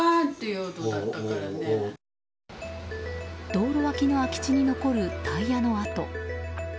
道路脇の空き地に残るタイヤの跡。